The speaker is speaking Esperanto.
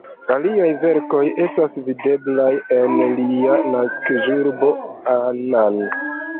Aliaj verkoj estas videblaj en lia naskiĝurbo Annan.